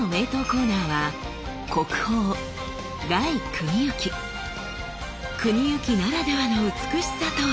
コーナーは国行ならではの美しさとは？